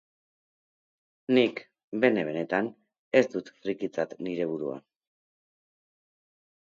Nik, bene-benetan, ez dut frikitzat nire burua.